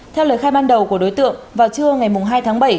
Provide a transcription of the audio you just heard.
theo lời khai ban đầu của đối tượng vào trưa ngày hai tháng bảy